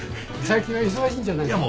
最近は忙しいんじゃないの？